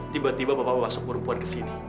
tiba tiba bapak masuk perempuan ke sini